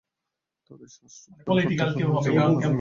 তাদের শ্বাস রোধ করে হত্যা করা হয়েছে বলে ধারণা করা হচ্ছে।